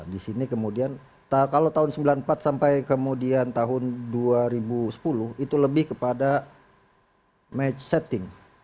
di sini kemudian kalau tahun sembilan puluh empat sampai kemudian tahun dua ribu sepuluh itu lebih kepada match setting